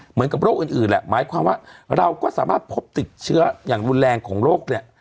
เหมือนกับโรคอื่นแหละหมายความว่าเราก็สามารถพบติดเชื้ออย่างรุนแรงของโรคเนี่ย